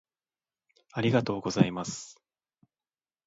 ありがとうございます。